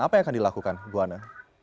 apa yang akan dilakukan buwana